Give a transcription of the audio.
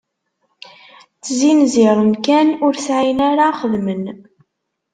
Ttzinziren kan, ur sεin ara xedmen.